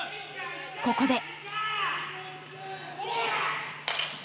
ここで。